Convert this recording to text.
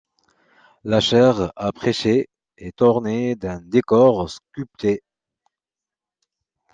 La chaire à prêcher est ornée d'un décor sculpté.